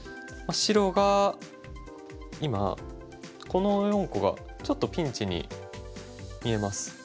白が今この４個がちょっとピンチに見えます。